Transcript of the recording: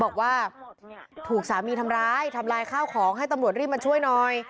บอกว่าถูกสามีทำร้ายทำลายข้าวของให้ตำรวจรีบมาช่วยหน่อย